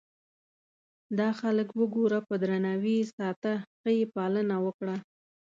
دا خلک وګوره په درناوي یې ساته ښه یې پالنه وکړه.